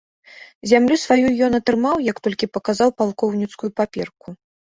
Зямлю сваю ён атрымаў, як толькі паказаў палкоўніцкую паперку.